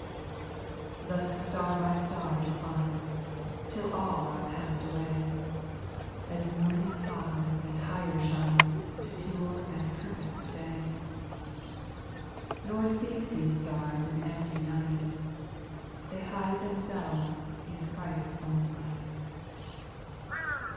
4. Thus star by star declines. Till all are pass'd away ; As morning high and higher shines To pure and perfect day : SPIRITUAL SONGS. 219 Nor sink these stars in empty night — They hide themselves in Christ's own light.